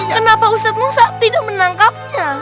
kenapa ustadz musa tidak menangkapnya